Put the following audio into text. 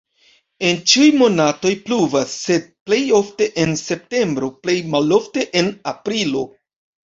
En ĉiuj monatoj pluvas, sed plej ofte en septembro, plej malofte en aprilo.